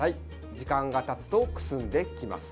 時間がたつと、くすんできます。